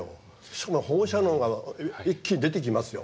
しかも放射能が一気に出てきますよ。